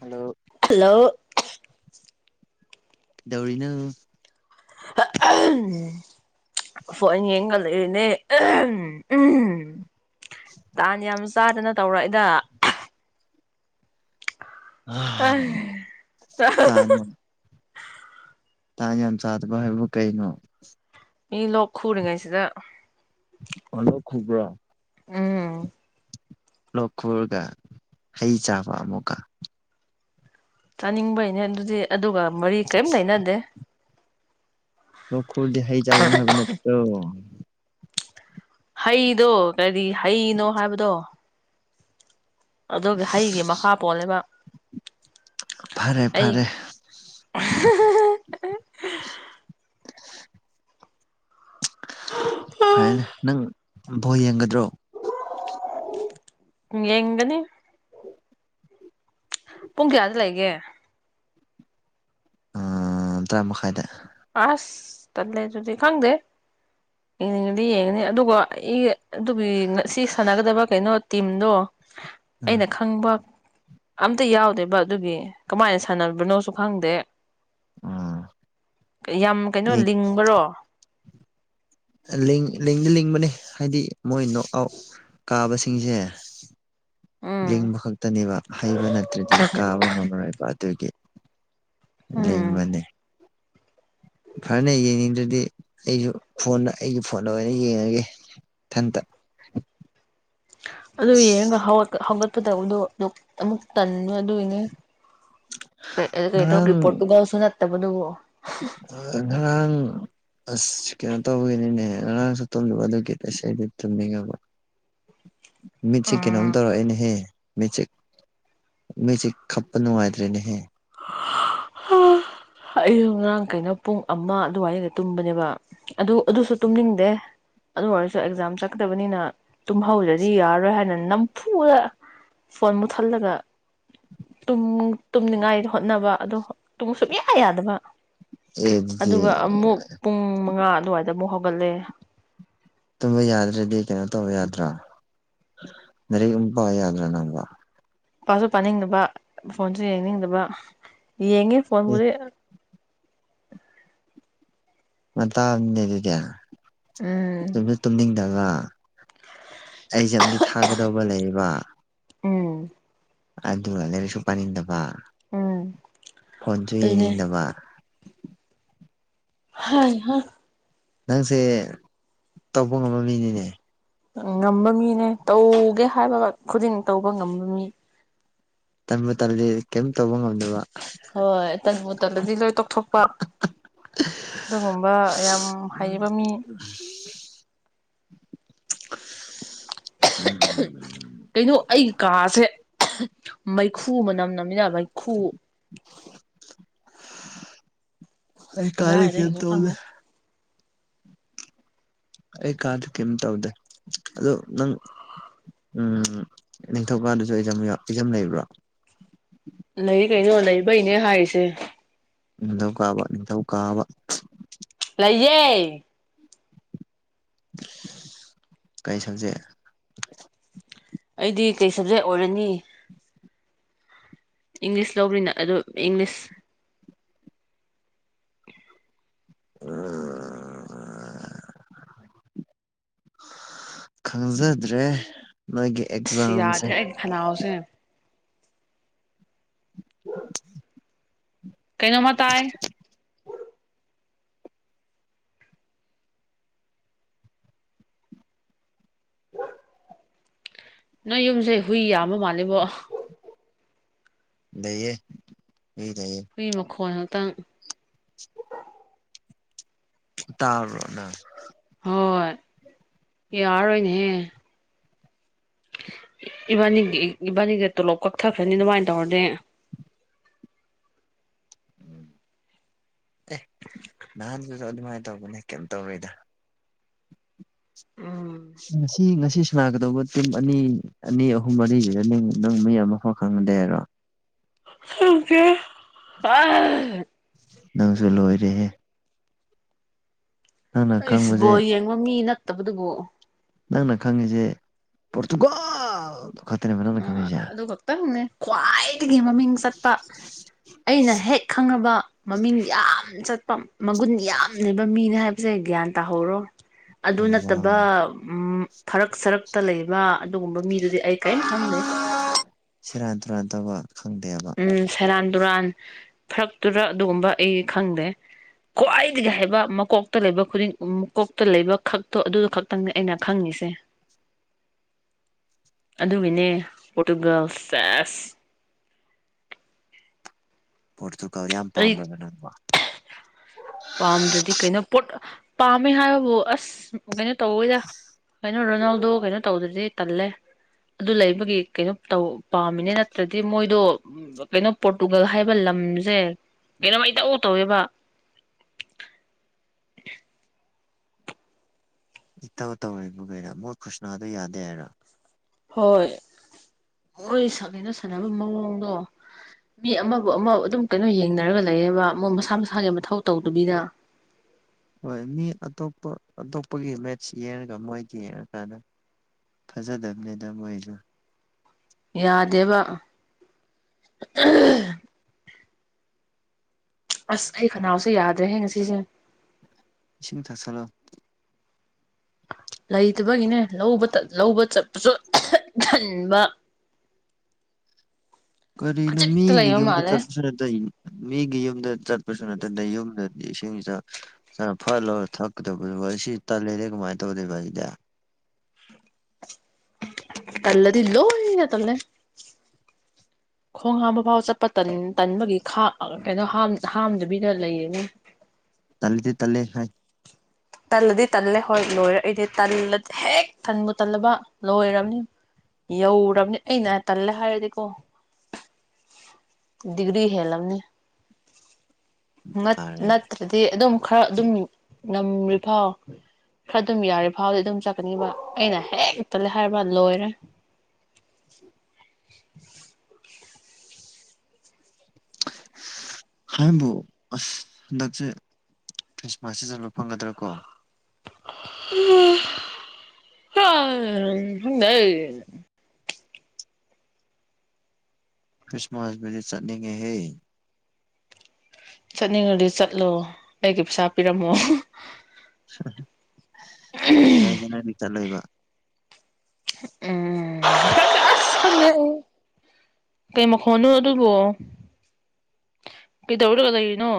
Hello hello ꯀꯩꯗꯧꯔꯤꯅꯣ phone ꯌꯦꯡꯉ ꯂꯩꯔꯤꯅꯦ ꯎꯝ ꯇꯥꯟ ꯌꯥꯝ ꯆꯥꯗꯅ ꯇꯧꯔꯛꯏꯗ ꯇꯥꯟ ꯌꯥꯝ ꯇꯥꯟ ꯌꯥꯝ ꯆꯥꯗꯕ ꯍꯥꯏꯕꯕꯨ ꯀꯩꯅꯣ ꯃꯤ ꯂꯣꯛ ꯈꯨꯔꯤꯉꯩꯁꯤꯗ꯫ ꯑꫭ ꯂꯣꯛ ꯈꯨꯕ꯭ꯔꫭ ꯎꯝ꯫ ꯂꯣꯛ ꯈꯨꯔꯒ ꯍꯩ ꯆꯥꯕ ꯑꯃꯨꯛꯀ꯫ ꯆꯥꯅꯤꯡꯕꯩꯅꯦ ꯑꯗꯨꯗꯤ ꯑꯗꯨꯒ ꯃꯔꯤ ꯀꯔꯤꯝ ꯂꯩꯅꯗꯦ꯫ ꯂꯣꯛ ꯈꯨꯔꯗꯤ ꯍꯩ ꯆꯒꯅꯣ ꯍꯥꯏꯕ ꯅꯠꯇ꯭ꯔꯣ꯫ ꯍꯩꯗꯣ ꯀꯔꯤ ꯍꯩꯅꯣ ꯍꯥꯏꯕꯗꯣ꯫ ꯑꯗꯨꯒꯤ ꯍꯩꯒꯤ ꯃꯈꯥ ꯄꯣꯜꯂꯦꯕ꯫ ꯐꯔꯦ ꯐꯔꯦ ꯑꯩ ꯐꯥꯏꯅ‌ꯦ ꯅꯪ ꯕꫭꯜ ꯌꯦꯡꯒꯗ꯭ꯔꯣ꯫ ꯌꯦꯡꯒꯅꯤ꯫ ꯄꯨꯡ ꯀꯌꯥꯗ ꯂꯩꯒꯦ꯫ ꯎꯝ ꯇꯔꯥ ꯃꯈꯥꯏꯗ꯫ ꯑꯁ ꯇꯜꯂꯦ ꯑꯗꯨꯗꯤ ꯈꯪꯗꯦ ꯌꯦꯡꯅꯤꯡꯉꯗꯤ ꯌꯦꯡꯉꯅꯤ ꯑꯗꯨꯒ ꯑꯩ ꯑꯗꯨꯒꯤ ꯉꯁꯤ ꯁꯥꯟꯅꯒꯗꯕ ꯀꯩꯅꯣ ꯇꯤꯝꯗꯣ ꯑꯩꯅ ꯈꯪꯕ ꯑꯝꯇ ꯌꯥꯎꯗꯦꯕ ꯑꯗꯨꯒꯤ ꯀꯃꯥꯏꯅ ꯁꯥꯟꯅꯕꯅꯣꯁꯨ ꯈꯪꯗꯦ꯫ ꯎꯝ꯫ ꯌꯥꯝ ꯀꯩꯅꯣ ꯂꯤꯡꯕꯔꯣ꯫ ꯂꯤꯡ ꯂꯤꯡꯗꯤ ꯂꯤꯡꯕꯅꯤ ꯍꯥꯏꯗꯤ ꯃꯣꯏ ꯅꯣꯠ ꯑꯥꯎꯠ ꯀꯥꯕꯁꯤꯡꯖꯦ꯫ ꯎꯝ ꯂꯤꯡꯕ ꯈꯛꯇꯅꯦꯕ ꯍꯩꯕ ꯅꯠꯇ꯭ꯔꯗꯤ ꯀꯥꯕ ꯉꯝꯔꯣꯏꯕ ꯑꯗꯨꯒꯤ꯫ ꯂꯤꯡꯕꯅꯦ꯫ ꯐꯔ‌ꯦ ꯌꯦꯡꯅꯤꯡꯗ꯭ꯔꯗꯤ ꯑꯩꯖꯨ ꯐꯣꯟꯗ ꯑꯩꯒꯤ ꯐꯣꯟꯗ ꯑꯣꯏꯅ ꯌꯦꯡꯉꯒꯦ ꯏꯊꯟꯇ꯫ ꯑꯗꯨ ꯌꯦꯡꯉꯒ ꯑꯁ ꯍꯧꯒꯠꯀ ꯍꯧꯒꯠꯄꯗꯧꯕꯗꯣ ꯑꯗꯨ ꯑꯃꯨꯛ ꯇꯟꯕ ꯑꯗꯨꯒꯤꯅꯦ꯫ [unintelligible] ꯉꯔꯥꯡ ꯄꯣꯔꯇꯨꯒꯜ ꯁꯨ ꯅꯠꯇꯕꯗꯨꯕꯨ꯫ ꯑ ꯉꯔꯥꯡ꯫ [unintelligible] ꯑꯁ ꯀꯩꯅꯣ ꯇꯧꯕꯒꯤꯅꯤꯅꯦ ꯉꯔꯥꯡꯁꯨ ꯇꯨꯝꯗꯕ ꯑꯗꯨꯒꯤ ꯉꯁꯤꯗꯤ ꯇꯨꯝꯅꯤꯡꯉꯕ꯫ ꯃꯤꯠꯁꯦ ꯀꯩꯅꯣꯝ ꯇꯧꯔꯛꯑꯦꯅꯦꯍꯦ ꯃꯤꯠꯁꯦ ꯃꯤꯠꯁꯦ ꯈꯞꯄ ꯅꯨꯡꯉꯥꯏꯇ꯭ꯔꯦꯅꯦꯍꯦ꯫ ꯍꯥ꯫ ꯑꯩꯁꯨ ꯉꯔꯥꯡ ꯀꯩꯅꯣ ꯄꯨꯡ ꯑꯃ ꯑꯗꯨꯋꯥꯏꯗ ꯇꯨꯝꯕꯅꯦꯕ ꯑꯗꯨ ꯑꯗꯨꯁꯨ ꯇꯨꯝꯅꯤꯡꯗꯦ꯫ ꯑꯗꯨ ꯑꯣꯏꯔꯁꯨ ꯑꯦꯛꯖꯥꯝ ꯆꯛꯀꯗꯕꯅꯤꯅ ꯇꯨꯝꯍꯧꯗ꯭ꯔꯗꯤ ꯌꯥꯔꯔꯣꯏ ꯍꯥꯏꯅ ꯅꯝꯐꯨꯗ ꯐꯣꯟ ꯃꯨꯠꯊꯠꯂꯒ ꯇꯨꯝ ꯇꯨꯝꯅꯤꯡꯉꯥꯏ ꯍꯣꯠꯅꯕ ꯑꯗꯣ ꯇꯨꯝꯃꯨ ꯁꯨꯡꯌꯥ ꯌꯥꯗꯕ ꯑꯦ ꯑꯗꯨꯗꯤ ꯑꯗꯨꯒ ꯑꯃꯨꯛ꯫ ꯄꯨꯡ ꯃꯉꯥ ꯑꯗꯨꯋꯥꯏꯗ ꯑꯃꯨꯛ ꯍꯧꯒꯠꯂꯦ꯫ ꯇꯨꯝꯕ ꯌꯥꯗ꯭ꯔꯗꯤ ꯀꯩꯅꯣ ꯇꯧꯕ ꯌꯥꯗ꯭ꯔꯥ ꯂꯥꯢꯔꯤꯛ ꯑꯃꯨꯛ ꯄꯥ ꯌꯥꯗ꯭ꯔꯥ ꯅꯪꯕꯣ꯫ ꯄꯥꯁꯨ ꯄꯥꯅꯤꯡꯗꯕ ꯐꯣꯟꯁꯨ ꯌꯦꯡꯅꯤꯡꯗꯕ ꯌꯦꯡꯉꯤ ꯑꯦ ꯐꯣꯟꯕꯨꯗꯤ꯫ ꯉꯟꯇꯥ ꯅꯦ [unintelligible] ꯑꯗꯨꯗꯤ ꯎꯝ ꯇꯨꯝꯖꯨ ꯇꯨꯝꯅꯤꯡꯗꯕ ꯑꯩꯖꯥꯝ ꯗꯤ ꯊꯥꯒꯗꯧꯕ ꯂꯩꯕ ꯎꯝ ꯑꯗꯨꯒ ꯂꯥꯏꯔꯤꯛꯁꯨ ꯄꯥꯅꯤꯡꯗꯕ ꯎꯝ ꯐꯣꯟꯁꯨ ꯑꯗꯨꯅꯦ ꯌꯦꯡꯅꯤꯡꯗꯕ ꯍꯥꯢ ꯍꯥ ꯅꯪꯁꯦ ꯇꯧꯕ ꯉꯝꯕ ꯃꯤꯅꯤꯅꯦ ꯉꯝꯕ ꯃꯤꯅꯦ ꯇꯧꯒꯦ ꯍꯥꯏꯕꯒ ꯈꯨꯗꯤꯡ ꯇꯧꯕ ꯉꯝꯕ ꯃꯤ ꯇꯟꯕꯨ ꯇꯜꯂꯤ ꯀꯩꯝ ꯇꯧꯕ ꯉꯝꯗꯕ ꯑꯁ ꯍꯣꯏ ꯇꯟꯕꯨꯨ ꯇꯜꯂꯗꯤ ꯂꯣꯏ ꯇꯣꯛꯊꯣꯛꯄ ꯑꯗꯨꯒꯨꯝꯕ ꯌꯥꯝ ꯍꯩꯕ ꯃꯤ [unintelligible] ꯀꯩꯅꯣ ꯑꯩꯒꯤ ꯀꯥꯁꯦ [unintelligible] ꯃꯩꯈꯨ ꯃꯅꯝ ꯅꯝꯃꯤꯗ ꯃꯩꯈꯨ ꯑꯩ ꯇꯥꯔꯤ ꯀꯦꯝ ꯀꯗꯥꯏꯗꯒꯤꯅꯣ ꯇꯧꯗꯦ ꯈꯪꯗꯦ ꯑꯩ ꯀꯥꯗ ꯀꯦꯝ ꯇꯧꯗꯦ ꯑꯗꯣ ꯅꯪ ꯎꯝ ꯅꯤꯡꯊꯧꯀꯗꯁꯨ ꯑꯦꯖꯥꯝꯌ ꯑꯦꯛꯖꯥꯝ ꯂꯩꯕ꯭ꯔꯣ ꯂꯩ ꯀꯩꯅꯣ ꯂꯩꯕꯩꯅꯦ ꯍꯥꯏꯔꯤꯁꯦ ꯅꯤꯡꯊꯧꯀꯥꯕ ꯅꯤꯡꯊꯧꯀꯥꯕ ꯂꯩꯌꯦ ꯀꯩ ꯁꯕꯖꯦꯛ ꯑꯩꯗꯤ ꯀꯩ ꯁꯕꯖꯦꯛ ꯑꯣꯏꯔꯅꯤ ꯏꯪꯂꯤꯁ ꯂꯧꯕꯅꯤꯅ ꯑꯗꯨꯝ ꯏꯪꯂꯤꯁ [unintelligible] ꯈꯪꯖꯗ꯭ꯔꯦ ꯅꯣꯏꯒꯤ ꯑꯦꯛꯖ__ ꯁꯤ ꯌꯥꯗ꯭ꯔꯦ ꯑꯩꯒꯤ ꯈꯅꯥꯎꯁꯦ [unintelligible] ꯀꯩꯅꯣꯝꯃ ꯇꯥꯏ ꯅꯣꯏ ꯌꯨꯝꯁꯦ ꯍꯨꯏ ꯌꯥꯝꯕ ꯃꯥꯜꯂꯦꯕꯣ ꯂꯩꯌꯦ ꯍꯨꯏ ꯂꯩꯌꯦ ꯍꯨꯏ ꯃꯈꯣꯟ ꯉꯥꯛꯇꯪ [inaudible] ꯇꯥꯕ꯭ꯔꯣ ꯅꯪ ꯍꯣꯏ ꯌꯥꯔꯔꯣꯏꯅꯦꯍꯦ ꯏꯕꯥꯅꯤꯒꯤ ꯏꯕꯥꯅꯤꯒ ꯇꯣꯂꯣꯞ ꯀꯛꯊꯈ꯭ꯔꯅꯤ ꯑꯗꯨꯃꯥꯏꯅ ꯇꯧꯔꯗꯤ ꯎꯝ ꯑꯦꯍ ꯅꯍꯥꯟꯗꯨꯁꯨ ꯑꯗꯨꯃꯥꯏꯅ ꯇꯧꯕꯅꯦ ꯀꯩꯝ ꯇꯧꯔꯣꯏꯗ [unintelligible] ꯁꯤ ꯉꯁꯤ ꯁꯅꯥꯒꯗꯧꯕ ꯇꯤꯝ ꯑꯅꯤ ꯑꯅꯤ ꯑꯍꯨꯝ ꯃꯔꯤꯁꯤꯗ ꯅꯤꯡ ꯅꯪ ꯃꯤ ꯑꯃꯐꯥꯎ ꯈꯪꯗꯦ ꯍꯥꯏꯔꯣ [unintelligible] ꯅꯪꯁꯨ ꯂꯣꯏꯔꯦꯍꯦ ꯅꯪꯅ ꯑꯩꯁ ꯈꯪꯕꯁꯦ ꯕꯣꯜ ꯌꯦꯡꯕ ꯃꯤ ꯅꯠꯇꯕꯗꯨꯕꯨ ꯅꯪꯅ ꯈꯪꯉꯤꯖꯦ ꯄꯣꯔꯇꯨꯒꯜ ꯈꯛꯇꯅꯦꯕ ꯅꯪꯅ ꯑ ꯈꯪꯉꯤꯁꯦ ꯑꯗꯨ ꯈꯛꯇꯪꯅꯦ ꯈ꯭ꯋꯥꯏꯗꯒꯤ ꯃꯃꯤꯡ ꯆꯠꯄ ꯑꯩꯅ ꯍꯦꯛ ꯈꯪꯉꯕ ꯃꯃꯤꯡ ꯌꯥꯝ ꯆꯠꯄ ꯃꯒꯨꯟ ꯌꯥꯝ ꯂꯩꯕ ꯃꯤꯅꯤ ꯍꯥꯏꯕ__ ꯕꯁꯦ ꯒ꯭ꯌꯥꯟ ꯇꯥꯍꯧꯔꯣ [inaudible] ꯑꯗꯨ ꯅꯠꯇꯕ ꯎꯝ ꯐꯔꯛ ꯁꯔꯛꯇ ꯂꯩꯕ ꯑꯗꯨꯒꯨꯝꯕ ꯃꯤꯗꯨꯗꯤ ꯑꯩ__ [unintelligible] ꯁꯦꯔꯥꯟ ꯇꯨꯔꯥꯟ ꯇꯧꯕ ꯈꯪꯗꯦꯕ ꯎꯝ ꯁꯦꯔꯥꯟ ꯇꯨꯔꯥꯟ ꯐꯔꯛ ꯇꯨꯔꯛ ꯑꯗꯨꯒꯨꯝꯕ ꯑꯩ ꯈꯪꯗꯦ ꯈ꯭ꯋꯥꯏꯗꯒꯤ ꯍꯩꯕ ꯃꯀꯣꯛꯇ ꯂꯩꯕ ꯈꯨꯗꯤꯡ ꯃꯀꯣꯛꯇ ꯂꯩꯕ ꯈꯛꯇꯣ ꯑꯗꯨꯗ ꯈꯛ ꯇꯪꯅꯦ ꯑꯩꯅ ꯈꯪꯉꯤꯁꯦ [inaudible] ꯑꯗꯨꯒꯤꯅꯦ ꯄꯣꯔꯇꯨꯒꯜ ꯁꯦꯁ ꯫ ꯄꯣꯔꯇꯨꯒꯜ ꯌꯥꯝ ꯑꯩ ꯄꯥꯝꯕ ꯅꯪꯕꯣ꯫ ꯄꯥꯝꯗ꯭ꯔꯗꯤ ꯀꯩꯅꯣ ꯄꯣꯠ ꯄꯥꯝꯃꯦ ꯍꯥꯏꯕꯕꯨ ꯑꯁ ꯀꯩꯅꯣ ꯇꯧꯕꯗ ꯀꯩꯅꯣ ꯔꯣꯅꯥꯜꯗꯣ ꯀꯩꯅꯣ ꯇꯧꯗ꯭ꯔꯗꯤ ꯇꯜꯂꯦ꯫ ꯑꯗꯨ ꯂꯩꯕꯒꯤ ꯀꯩꯅꯣ ꯇꯧ ꯄꯥꯝꯃꯤꯅꯦ ꯅꯠꯇ꯭ꯔꯗꯤ ꯃꯣꯏꯗꯣ ꯀꯩꯅꯣ ꯄꯣꯔꯇꯨꯒꯜ ꯍꯥꯏꯕ ꯂꯝꯁꯦ ꯀꯩꯅꯣꯃꯩꯇꯧ ꯇꯧꯋꯦꯕ꯫ ꯏꯇꯧ ꯇꯧꯔꯤꯕꯕꯦꯔꯥ ꯃꯣꯏ ꯈꯨꯁꯅꯥꯗꯨ ꯌꯥꯗꯦ ꯍꯥꯏꯔꯣ꯫ ꯍꯣꯏ ꯃꯣꯏ ꯁꯛꯅꯤꯅ ꯁꯥꯟꯅꯕ ꯃꯑꯣꯡꯗꯣ ꯃꯤ ꯑꯃꯕꯨ ꯑꯃ ꯑꯗꯨꯝ ꯀꯩꯅꯣ ꯌꯦꯡꯅꯔꯒ ꯂꯩꯌꯦꯕ ꯃꯣꯏ ꯃꯁꯥ ꯃꯁꯥꯒꯤ ꯃꯊꯧ ꯇꯧꯗꯕꯤꯗ ꯍꯣꯏ ꯃꯤ ꯑꯇꯣꯞꯄ ꯑꯇꯣꯞꯄꯒꯤ ꯃꯦꯠꯁ ꯌꯦꯡꯉꯒ ꯃꯣꯏꯒꯤ ꯌꯦꯡꯉꯀꯥꯟꯗ ꯐꯖꯗꯕꯅꯤꯗ ꯃꯣꯏꯁꯨ ꯌꯥꯗꯦꯕ [inaudible] ꯑꯁ ꯑꯩ ꯈꯅꯥꯎꯁ‌ꯦ ꯌꯥꯗ꯭ꯔꯦꯍ‌ꯦ ꯉꯁꯤꯁꯦ꯫ ꯏꯁꯤꯡ ꯊꯛꯆꯜꯂꯣ꯫ ꯂꯩꯇꯕꯒꯤꯅꯦ ꯂꯧꯕꯇꯠ-ꯂꯧꯕ ꯆꯠꯄꯁꯨ ꯇꯟꯕ ꯀꯔꯤꯅꯣ ꯈꯖꯤꯛꯇ ꯃꯤꯒꯤ ꯂꯩꯕ ꯌꯨꯝꯗ ꯃꯥꯜꯂꯦ ꯆꯠꯄꯁꯨ ꯅꯠ ꯇꯩꯅꯨ ꯃꯤꯒꯤ ꯌꯨꯝꯗ ꯆꯠꯄꯁꯨ ꯅꯠꯇ ꯗꯌꯨꯝꯗ ꯏꯁꯤꯡ-ꯏꯆꯥꯎ‌ꯆꯥꯟꯅ ꯐꯠꯂꯧꯔꯒ ꯊꯛꯀꯗꯕ ꯑꯗꯨꯒ ꯑꯁꯤ ꯇꯜꯂ‌ꯦꯔꯦ ꯀꯥꯃꯥꯏ ꯇꯧꯗꯣꯏꯕ ꯑꯗꯨꯗꯤ ꯇꯜꯂꯗꯤ ꯂꯣꯏꯅ ꯇꯜꯂꯦ꯫ ꯈꯣꯡ ꯍꯥꯝꯕ ꯐꯥꯎ ꯆꯠꯄ ꯇꯟ-ꯇꯟꯕꯒꯤ ꯈꯥꯛ ꯀꯩꯅꯣ ꯍꯥꯝ-ꯍꯥꯝꯗꯕꯤꯗ ꯂꯩꯔꯤꯅꯤ꯫ ꯇꯜꯂꯗꯤ ꯇꯝꯂꯦ ꯍꯥꯏ꯫ ꯇꯜꯂꯗꯤ ꯇꯜꯂꯦ ꯍꯣꯏ ꯂ‌ꯣꯏꯔ‌ꯦ ꯑꯩꯗꯤ ꯇꯜꯂꯗꯤ ꯍꯦꯛ ꯇꯟꯕꯨ ꯇꯜꯂꯕ ꯂꯣꯏꯔꯕꯅꯤ꯫ ꯌꯧꯔꯕꯅꯤ ꯑꯩꯅ ꯇꯜꯂꯦ ꯍꯥꯏꯔꯗꯤꯀꯣ ꯗꯤꯒ꯭ꯔꯤ ꯍꯦꯜꯂꯝꯅꯤ ꯐꯔꯦ ꯅꯠ-ꯅꯠꯇ꯭ꯔ ꯑꯗꯨꯗꯤ ꯑꯗꯨꯝ ꯈꯔ ꯑꯗꯨꯝ ꯉꯝ꯭ꯔꯤꯐꯥꯎ ꯈꯔ ꯑꯗꯨꯝ ꯌꯥꯔꯤ ꯐꯥꯎꯗꯤ ꯑꯗꯨꯝ ꯆꯠꯀꯅꯤꯕ ꯑꯩꯅ ꯍꯦꯛ ꯇꯜꯂꯦ ꯍꯥꯏꯔꯕ ꯂꯣꯏꯔꯦ꯫ [inaudible] ꯍꯥꯏꯕꯨ ꯑꯁ ꯍꯟꯗꯛꯁꯦ ꯈ꯭ꯔꯤꯁꯃꯥꯁ ꯁꯤ ꯆꯟꯕ ꯐꯪꯒꯗ꯭ꯔꯥ ꯀꯣ ꯈꯪꯗ‌ꯩꯍꯦ꯫ ꯈ꯭ꯔꯤꯁꯃꯥꯁꯕꯨꯗꯤ ꯆꯠꯅꯤꯡꯉꯦꯍꯦ꯫ ꯆꯠꯅꯤꯡꯉꯗꯤ ꯆꯠꯂꯣ ꯑꯩꯒꯤ ꯄꯩꯁꯥ ꯄꯤꯔꯝꯃꯣ꫰꫰ ꯉꯥꯏꯁꯤꯅꯗꯤ ꯆꯠꯂꯣꯏꯕ ꯎꯝ ꯈꯪꯗꯦ ꯑꯁ ꯈꯪꯗ‌ꯦ ꯑꯩ ꯀꯩ ꯃꯈꯣꯟꯅꯣ ꯑꯗꯨꯕꯨꯣ ꯀꯩꯗꯧꯔꯅ ꯂꯩꯔꯤꯅꯣ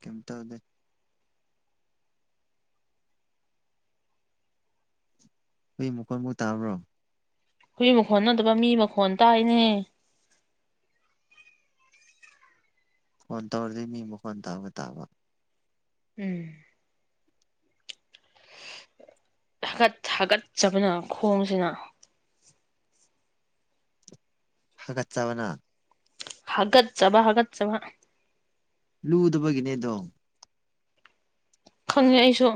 ꯀꯩꯝ ꯇꯧꯗꯦ꯫ ꯍꯨꯏ ꯃꯈꯣꯏ ꯃꯨꯛ ꯇꯥꯕ꯭ꯔꯣ ꯍꯨꯏ ꯃꯈꯣꯟ ꯅꯠꯇꯕ ꯃꯤ ꯃꯈꯣꯟ ꯇꯥꯏꯅꯦ꯫ ꯐꯣꯟ ꯇꯧꯔꯗꯤ ꯃꯤ ꯃꯈ‌ꯣꯟ ꯇꯥꯕ ꯇꯥꯕꯥ ꯎꯝ ꯊꯀꯠ-ꯊꯒꯠꯆꯕꯅ ꯈꯣꯡꯖꯤꯅ ꯍꯥꯒꯠ ꯆꯕꯅꯥ ꯍꯥꯒꯠꯆꯥꯕ-ꯍꯥꯒꯠꯆꯕ꯫ ꯂꯨꯗꯕꯒꯤꯅꯦꯗꯣ ꯈꯪꯉꯦ ꯑꯩꯁꯨ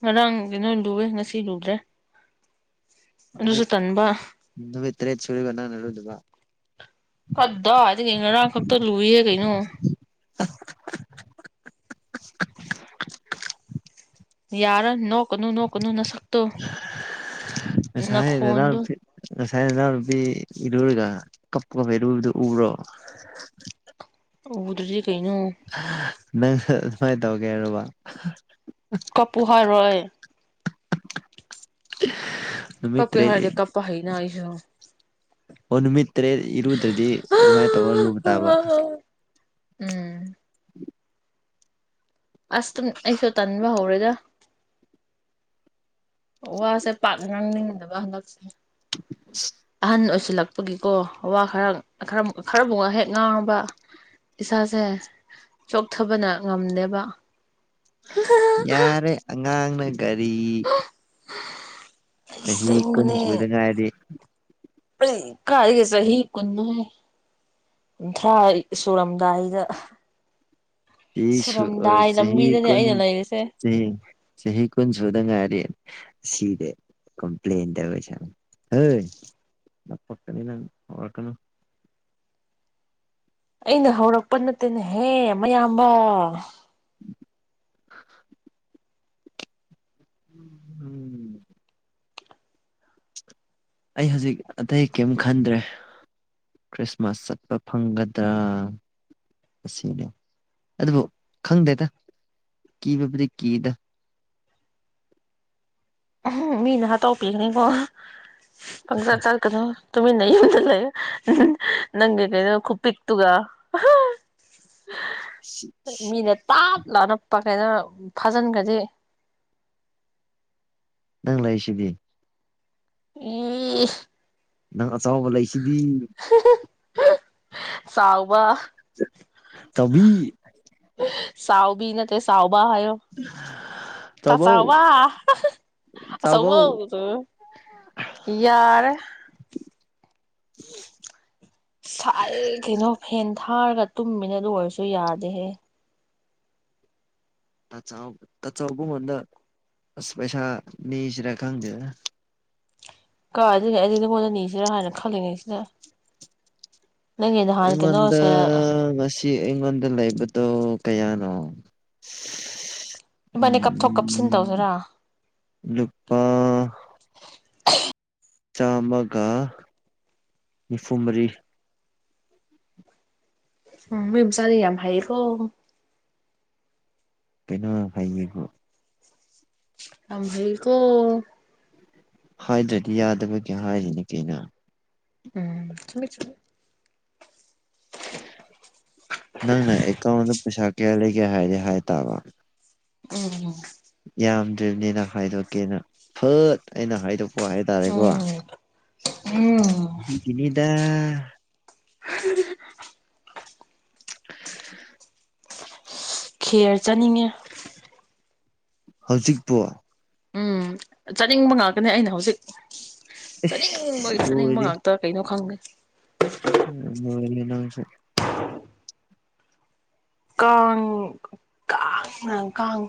ꯉꯔꯥꯡ ꯅꯨꯡꯗꯤꯟꯗꯨ ꯂꯨꯑꯦ ꯉꯁꯤ ꯂꯨꯗ꯭ꯔꯦ꯫ ꯑꯗꯨꯁꯨ ꯅꯨꯃꯤꯠ ꯇꯟꯕ ꯅꯨꯃꯤꯠ ꯇ꯭ꯔ‌ꯦꯠ ꯁꯨꯔ‌ꯦꯀ‌ꯣ ꯅꯪꯅ ꯂꯨꯗꯕ꯫ ꯀꯗꯥꯏꯗꯒꯤꯅ‌ꯣ ꯉꯔꯥꯡ ꯈꯛꯇꯥ ꯂꯨꯏꯌꯦ ꯀꯩꯅꯣ ꯌꯔꯟ ꯅꯣꯛꯀꯅꯨ-ꯅ‌ꯣꯛꯀꯅꯨ ꯅꯁꯛꯛꯇꯣ ꯉꯁꯥꯏ ꯅꯈꯣꯟꯟꯗ‌ꯣ ꯅꯅꯥꯎꯅꯨꯄꯤ ꯉꯁꯥꯏ ꯅꯅꯥꯎꯅꯨꯄꯤ ꯏꯔ‌ꯨꯔꯤꯔꯥ ꯀꯞꯄꯒ ꯏꯔꯨꯕꯗ‌ꯣ ꯎꯕ꯭ꯔꯣ ꯎꯗ꯭ꯔꯗꯤ ꯀꯩꯅꯣ ꯅꯪꯁꯨ ꯑꯗꯨꯃꯥꯏꯅ ꯇꯧꯒꯦꯔ‌‌ꯣꯕ ꯀꯞꯄꯨ ꯍꯥꯏꯔꯣ ꯑꯩ [unintelligible] ꯀꯞꯀꯦ ꯍꯥꯔꯗꯤ ꯀꯞꯄ ꯍꯩꯅ‌ ꯑꯩꯁꯨ ꯑꯣ ꯅꯨꯃꯤꯠ ꯇꯔꯦꯠ ꯏꯔꯨꯗ꯭ꯔꯗꯤ ꯑꯗꯨꯃꯥꯏꯅ ꯇꯧꯔ ꯂꯨꯕ ꯇꯥꯕ ꯎꯝ ꯑꯁ ꯇꯨꯝ ꯑꯩꯁꯨ ꯇꯟꯕ ꯍꯧꯔꯦꯗ ꯋꯥꯁꯦ ꯄꯥꯛꯅ ꯉꯥꯡꯅꯤꯡꯗꯕ ꯍꯟꯗꯛꯁꯦ ꯑꯍꯟ ꯑꯣꯏꯁꯤꯜꯂꯛ ꯄꯒꯤꯀꯣ ꯋꯥ ꯈꯔ‌‌ꯪ ꯈꯔꯝ ꯈꯔꯕꯨꯛ ꯉ ꯍꯦꯛ ꯉꯥꯎꯔꯕ ꯏꯁꯥꯁꯦ ꯆꯣꯛꯊꯕꯅ ꯉꯝꯗꯦꯕ ꯌꯥꯔꯦ ꯑꯉꯥꯡꯅ ꯒꯥꯔꯤ ꯆꯍꯤ ꯀꯨꯟ ꯑꯁꯦꯡꯕꯅꯦ ꯁꯨꯕꯗꯉꯥꯏꯔꯤ ꯑꯩ ꯀꯥꯏꯗꯩ ꯆꯍꯤ ꯀꯨꯟꯅꯣꯍꯦ ꯀꯨꯟꯊ꯭ꯔꯥ ꯁꯨꯔꯝꯗꯥꯏꯁꯤꯗ ꯆꯍꯤ ꯁꯨ ꯁꯨꯔꯝꯗꯥꯏ ꯆꯍꯤ ꯂꯝꯕꯤꯗꯅꯦ ꯀꯨꯟ ꯑꯩꯅ ꯂꯩꯔꯤꯁꯦ ꯆꯍꯤ ꯆꯍꯤ ꯀꯨꯟ ꯁꯨꯗ ꯉꯥꯏꯔꯤ ꯁꯤꯔꯦ ꯀꯝꯄ꯭ꯂꯟ ꯇꯧꯔꯤꯁꯦ ꯌꯦꯡꯉꯣ ꯍꯦ [unintelligible] ꯑꯩꯅ ꯍꯧꯔꯛꯄ ꯅꯠꯇꯦꯅꯦꯍꯦ ꯃꯌꯥꯝꯕ [unintelligible] ꯎꯝ ꯑꯩ ꯍꯧꯖꯤꯛ ꯑꯇꯩ ꯀꯔꯤꯝ ꯈꯟꯗ꯭ꯔꯦ ꯈ꯭ꯔꯤꯁꯃꯥꯁ ꯆꯠꯄ ꯐꯪꯒꯗ꯭ꯔꯥ ꯑꯁꯤꯅꯦ ꯑꯗꯨꯕꯨ ꯈꯪꯗꯦꯗ ꯀꯤꯕꯕꯨꯗꯤ ꯀꯤꯗ ꯎꯝꯍꯨ ꯃꯤꯅ ꯍꯥꯠꯗꯣꯛꯄꯤꯒꯅꯤꯀꯣ ꯄꯪꯆꯠ ꯆꯠꯀꯅꯨ [unintelligible] ꯃꯤꯅ ꯇꯥꯞ ꯂꯥꯅ ꯄ ꯀ ꯩꯅꯣ ꯐꯥꯖꯤꯟꯈꯗꯤ ꯅꯪ ꯂꯩꯁꯤꯗꯤ ꯎꯝ ꯅꯪ ꯑꯆꯧꯕ ꯂꯩꯁꯤꯗꯤ ꯆꯥꯎꯕ ꯆ ꯆꯥꯎꯕꯤ ꯆꯥꯎꯕꯤ ꯅꯠꯇꯦ ꯆꯥꯎꯕ ꯍꯥꯏꯌꯣ ꯇꯥ ꯆꯥꯎꯕꯧ ꯆꯥꯎꯕ ꯆꯥꯎꯕꯧ ꯑꯆꯧꯕꯣ ꯌꯥꯔꯦ ꯁꯥꯏꯌꯦ ꯀꯩꯅꯣ ꯐꯦꯟ ꯊꯥꯔꯒ ꯇꯨꯝꯃꯤꯅꯦ ꯑꯗꯨ ꯑꯣꯏꯔꯁꯨ ꯌꯥꯗꯦꯍꯦ ꯇꯥ ꯆꯥꯎ ꯇꯥ ꯆꯥꯎꯕ ꯅꯪꯉꯣꯡꯗ ꯑꯁ ꯄꯩꯁꯥ ꯅꯤꯁꯤꯔꯥ ꯈꯪꯗꯦꯗ ꯀꯥꯏꯗꯩ ꯑꯩꯗꯤ ꯅꯪꯉꯣꯟꯗ ꯅꯤꯁꯤꯔꯥ ꯍꯥꯏꯅ ꯈꯜꯂꯤꯉꯩ ꯁꯤꯗ ꯑꯩꯉꯣꯟꯗ ꯀꯩꯅꯣꯁꯦ ꯉꯁꯤ ꯁꯤ ꯑꯩꯉꯣꯟꯗ ꯂꯩꯕꯗꯣ ꯀꯌꯥꯅꯣ ꯏꯕꯥꯟꯅꯤ ꯀꯞꯊꯣꯛ ꯀꯞꯁꯤꯟ ꯎꯝ ꯇꯧꯁꯤꯔꯥ ꯂꯨꯄꯥ ꯆꯥꯝꯃꯒ ꯅꯤꯐꯨ ꯃꯔꯤ ꯎꯝ ꯃꯣꯏ ꯃꯆꯥꯗꯤ ꯌꯥꯝ ꯍꯩꯌꯦꯀꯣ ꯀꯩꯅꯣ ꯍꯩꯌꯦꯕꯨ ꯌꯥꯝ ꯍꯩꯀꯣ ꯍꯥꯏꯗ꯭ꯔꯗꯤ ꯌꯥꯗꯕꯒꯤ ꯍꯥꯏꯔꯤꯅꯤ ꯀꯩꯅꯣ ꯎꯝ ꯊꯨꯝꯃꯦ ꯆꯨꯝ ꯅꯪꯅ ꯑꯦꯀꯥꯎꯟꯗ ꯄꯩꯁꯥ ꯀꯌꯥ ꯂꯩꯒꯦ ꯍꯥꯏꯔꯗꯤ ꯍꯥꯏ ꯇꯥꯕ ꯎꯝꯍꯨꯝ ꯌꯥꯝꯗ꯭ꯔꯕꯅꯤꯅ ꯍꯥꯏꯗꯣꯛꯀꯦꯅ ꯐꯠ ꯑꯩꯅ ꯍꯥꯏꯗꯣꯛꯄ ꯍꯥꯏꯇꯥꯔꯦꯀꯣ ꯎꯝ ꯎꯝ ꯑꯗꯨꯒꯤꯅꯤꯗ [unintelligible] inaudible ꯈꯦꯔ ꯆꯥꯅꯤꯡꯉꯦ ꯍꯧꯖꯤꯛꯄꯨ ꯎꯝ ꯆꯥꯅꯤꯡꯕ ꯉꯥꯛꯇꯦꯅꯦ ꯑꯩꯅ ꯍꯧꯖꯤꯛ ꯆꯥꯅꯤꯡꯕꯒꯤ ꯆꯥꯅꯤꯡꯕ ꯂꯣꯏꯔꯦ ꯉꯥꯛꯇ ꯀꯩꯅꯣ ꯈꯪꯗꯦ ꯂꯣꯏꯔꯦ ꯅꯪꯁꯨ ꯀꯥꯡ ꯀꯥꯡꯅ ꯀꯥꯡ